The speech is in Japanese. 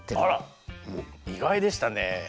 あら意外でしたね。